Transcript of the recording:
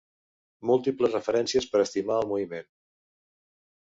Múltiples referències per estimar el moviment.